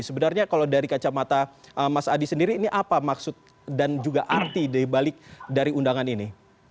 sebenarnya kalau dari kacamata mas adi sendiri ini apa maksud dan juga arti dibalik dari undangan ini